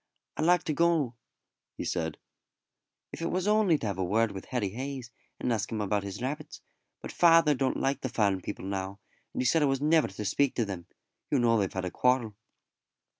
"I'd like to go," he said, "if it was only to have a word with Harry Hayes, and ask him about his rabbits; but father don't like the farm people now, and he said I was never to speak to them. You know they've had a quarrel."